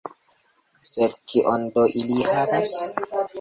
Sed kion do ili havas?